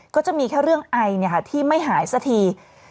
ก็จะมีแค่เรื่องไอที่ไม่หายสักที